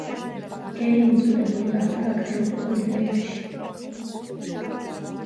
გეი იძულებული გახდა გაქცეულიყო ლიბერიაში.